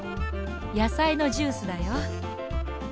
やさいのジュースだよ。